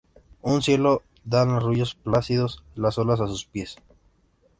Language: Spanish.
Un cielo dan arrullos plácidos las olas a sus pies.